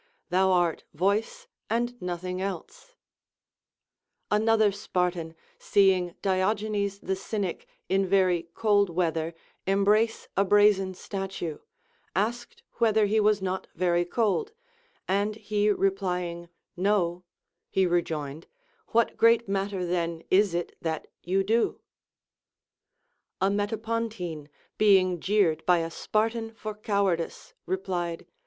Thou art voice and nothing else. Another Spartan, seeing Diogenes the Cynic in very cold Λveather embrace a brazen statue, asked whether he was not very cold ; and he replying, No, he rejoined, What great matter then is it that you do ] A Metapontine, being jeered by a Spartan for cowardice, replied.